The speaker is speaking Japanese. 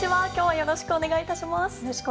よろしくお願いします。